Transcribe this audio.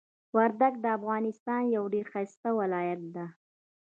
وردګ د افغانستان یو ډیر ښایسته ولایت ده.